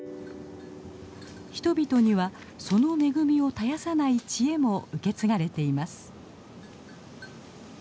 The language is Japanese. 人々にはその恵みを絶やさない知恵も受け継がれています。